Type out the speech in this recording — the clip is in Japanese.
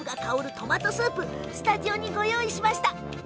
トマトスープスタジオにご用意しました。